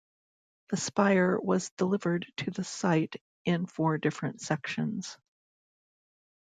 The spire was delivered to the site in four different sections.